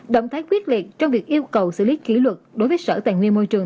động thái quyết liệt trong việc yêu cầu xử lý kỷ luật đối với sở tài nguyên môi trường